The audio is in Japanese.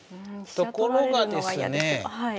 ところがですね